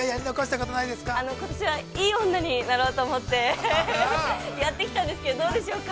◆ことしはいい女になろうと思ってやってきたんですけど、どうでしょうか？